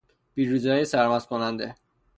پیروزیهای سرمست کننده